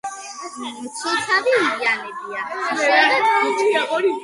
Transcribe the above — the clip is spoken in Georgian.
მცოცავი ლიანებია, იშვიათად ბუჩქები.